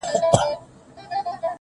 يارانو راټوليږی چي تعويذ ورڅخه واخلو,